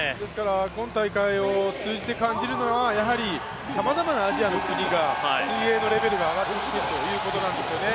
今大会を通じて感じるのはやはり、さまざまなアジアの国が水泳のレベルが上がってきているということなんですね。